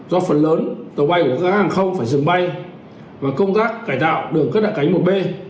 do phần lớn tàu bay của các hãng hàng không phải dừng bay và công tác cải tạo đường các đại cánh một b